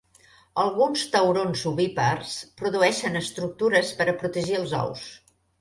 Alguns taurons ovípars produeixen estructures per a protegir els ous.